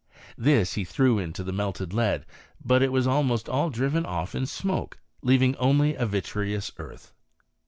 This he threw into melted lead, but it was almost all driven off in smoke, leaving only a vitreous earth.